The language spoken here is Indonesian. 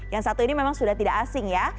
yang satu ini memang sudah tidak asing ya